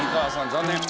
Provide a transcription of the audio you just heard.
残念。